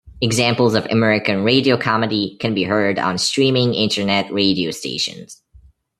Examples of American radio comedy can be heard on streaming internet radio stations.